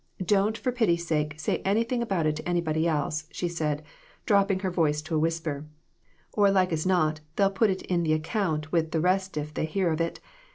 Don't for pity's sake, say anything about it to anybody else,' she said, dropping her voice to a whisper, 'or like as not, they'll put it in the account with the rest if they hear of it.